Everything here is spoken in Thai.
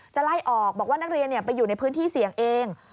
ไล่ออกบอกว่านักเรียนไปอยู่ในพื้นที่เสี่ยงเอง